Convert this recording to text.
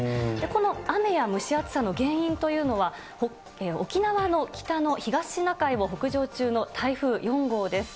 この雨や蒸し暑さの原因というのは、沖縄の北の東シナ海を北上中の台風４号です。